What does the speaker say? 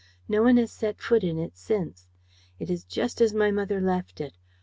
No one has set foot in it since. It is just as my mother left it.